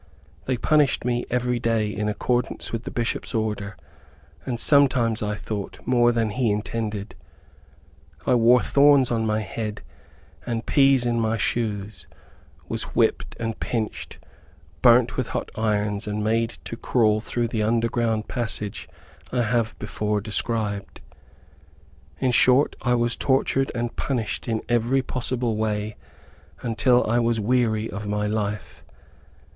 They punished me every day, in accordance with the Bishop's order, and sometimes, I thought, more than he intended. I wore thorns on my head, and peas in my shoes, was whipped and pinched, burnt with hot irons, and made to crawl through the underground passage I have before described. In short, I was tortured and punished in every possible way, until I was weary of my life.